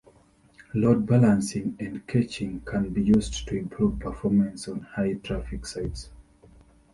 Load balancing and caching can be used to improve performance on high traffic sites.